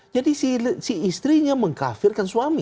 jadi si istrinya mengkafirkan suami